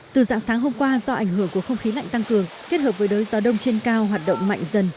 từ dạng sáng hôm qua do ảnh hưởng của không khí lạnh tăng cường kết hợp với đới gió đông trên cao hoạt động mạnh dần